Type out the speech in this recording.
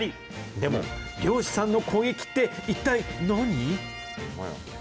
でも、漁師さんの攻撃って、一体何？